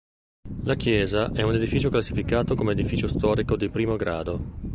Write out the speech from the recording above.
La chiesa è un edificio classificato come edificio storico di I grado.